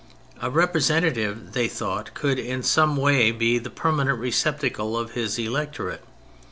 A representative (they thought) could in some way be the permanent receptacle of his electorate.